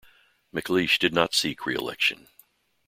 McLeish did not seek re election.